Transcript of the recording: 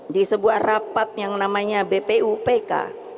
di sebuah rapat yang namanya bpupk